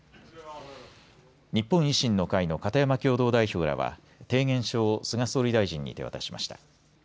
日本維新の会の片山共同代表らは提言書を菅総理大臣に手渡しました。